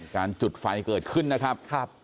การจุดไฟเกิดขึ้นนะครับ